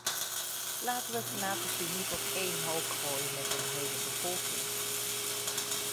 Laten we fanatici niet op één hoop gooien met een hele bevolking!